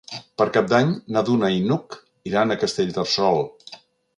Per Cap d'Any na Duna i n'Hug iran a Castellterçol.